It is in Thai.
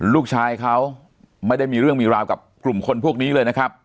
ลูกชายเขาไม่ได้มีเรื่องมีราวกับกลุ่มคนพวกนี้เลยนะครับ